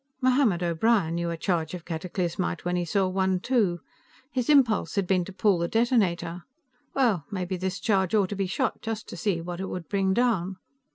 Mohammed O'Brien knew a charge of cataclysmite when he saw one, too. His impulse had been to pull the detonator. Well, maybe this charge ought to be shot, just to see what it would bring down.